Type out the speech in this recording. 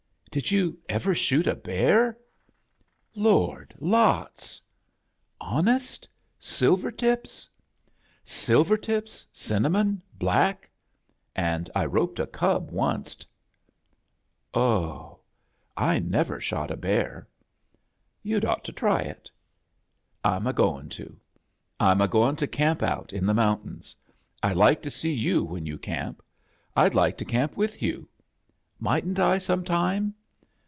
Did you ever shoot a bear?" A JOURNEY IN SEARCH OF CHRISTMAS "Lofdl lots." "Honest? Silvep tipBr "Silver tips, dnnamoo, black; and I roped a cub ooced." "0 hl I never shot a bear. "You'd ought to try it." "Fm a going to. Vm a going to camp out in the mountains. I'd like to see you vhen you camp. I'd like to camp vith you. Mightn't I some time?"